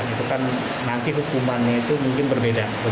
itu kan nanti hukumannya itu mungkin berbeda